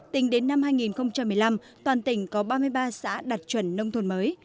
tính đến năm hai nghìn một mươi năm toàn tỉnh có ba mươi ba xã đạt chuẩn nông thôn mới